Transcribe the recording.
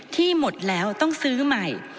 ที่หมดแล้วต้องซื้อใหม่